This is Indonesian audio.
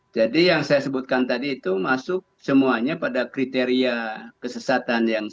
jadi yang saya sebutkan tadi itu masuk semuanya pada kriteria kesesatan yang sepuluh itu